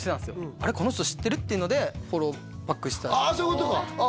あれこの人知ってるっていうのでフォローバックしたああ